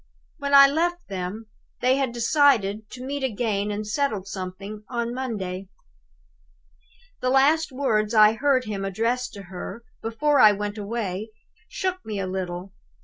When I left them, they had decided to meet again and settle something on Monday. "The last words I heard him address to her, before I went away, shook me a little.